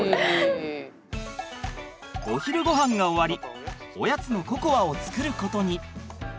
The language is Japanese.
お昼ごはんが終わりおやつのココアを作ることに。